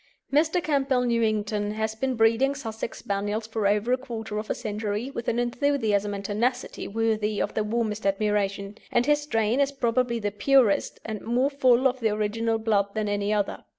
Mr. Campbell Newington has been breeding Sussex Spaniels for over a quarter of a century with an enthusiasm and tenacity worthy of the warmest admiration, and his strain is probably the purest, and more full of the original blood than any other.